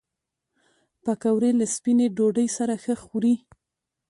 پکورې له سپینې ډوډۍ سره ښه خوري